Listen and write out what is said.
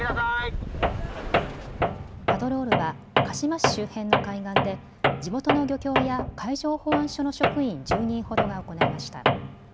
パトロールは鹿嶋市周辺の海岸で地元の漁協や海上保安署の職員１０人ほどが行いました。